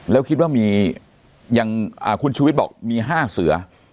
แล้วคิดว่ามีอย่างคุณชูวิทย์บอกมี๕เสือ